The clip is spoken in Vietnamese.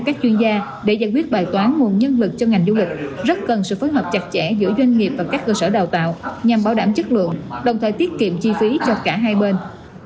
các bài toán nguồn nhân lực trong ngành du lịch rất cần sự phối hợp chặt chẽ giữa doanh nghiệp và các cơ sở đào tạo nhằm bảo đảm chất lượng đồng thời tiết kiệm chi phí cho cả hai bên